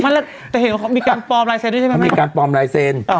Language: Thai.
มันแต่เห็นว่าเขามีการปลอมลายเซ็นต์ด้วยใช่ไหมมีการปลอมลายเซ็นต์